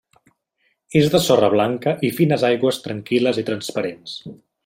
És de sorra blanca i fines aigües tranquil·les i transparents.